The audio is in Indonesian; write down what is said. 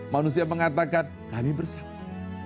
manusia mengatakan kami bersatu